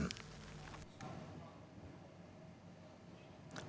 bahlil dan suluki vli hasan